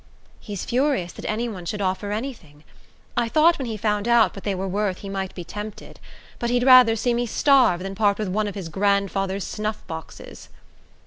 "He's furious that any one should offer anything. I thought when he found out what they were worth he might be tempted; but he'd rather see me starve than part with one of his grand father's snuff boxes."